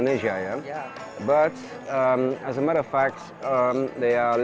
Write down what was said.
mereka lebih kurang digunakan oleh orang